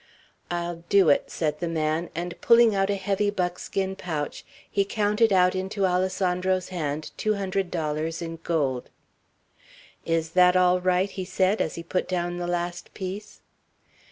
"I'll do it," said the man; and pulling out a heavy buckskin pouch, he counted out into Alessandro's hand two hundred dollars in gold. "Is that all right?" he said, as he put down the last piece.